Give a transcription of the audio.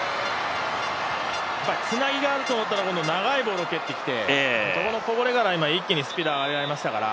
つなぎがあると思ったら急に長いボールを蹴ってきてそこのこぼれから今、一気にスピードが上がりましたから。